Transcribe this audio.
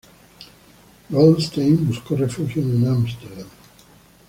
Goldstein buscó refugio en Ámsterdam.